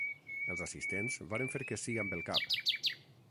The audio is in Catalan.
Els assistents varen fer que sí amb el cap.